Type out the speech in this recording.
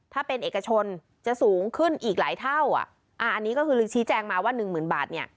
ถ้าเป็นเอกชนจะสูงขึ้นอีกหลายเท่าอ่ะอันนี้ก็คือชี้แจงมาว่าหนึ่งหมื่นบาทเนี่ย